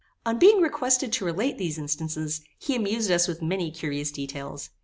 On being requested to relate these instances, he amused us with many curious details.